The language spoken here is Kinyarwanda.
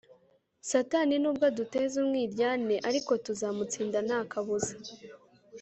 Satani nubwo aduteza umwiryane ariko tuzamutsinda ntakabuza